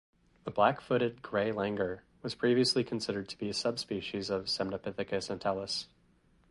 The black-footed gray langur was previously considered to be a subspecies of "Semnopithecus entellus".